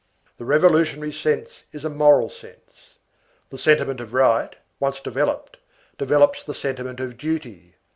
The revolutionary sense is a moral sense. The sentiment of right, once developed, develops the sentiment of duty.